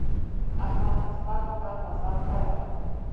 احمده؛ ستا د کار مزه خړه ده.